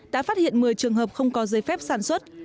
đã phát hiện một mươi trường hợp không có giấy phép sản xuất